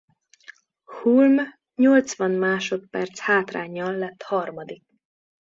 Hulme nyolcvan másodperc hátránnyal lett harmadik.